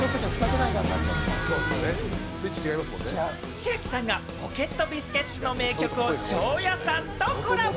千秋さんがポケットビスケッツの名曲をＳＨＯＷーＹＡさんとコラボ！